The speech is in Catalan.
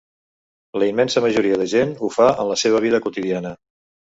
La immensa majora de gent ho fa en la seva vida quotidiana.